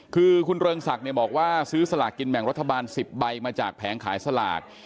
คือคุณเริงศักดิ์บอกว่าซื้อสลากกินแบ่งรัฐบาล๑๐ใบมาจากแผงขายสลาก